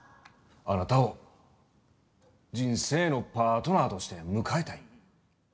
あなたを人生のパートナーとして迎えたい。